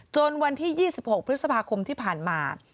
วันที่๒๖พฤษภาคมที่ผ่านมา